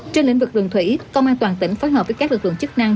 trên lĩnh vực đường thủy công an toàn tỉnh phối hợp với các lực lượng chức năng